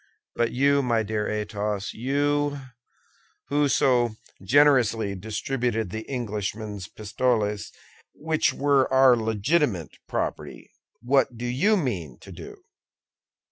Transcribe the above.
But you, my dear Athos—you, who so generously distributed the Englishman's pistoles, which were our legitimate property—what do you mean to do?"